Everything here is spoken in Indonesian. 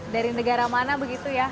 dari negara mana begitu ya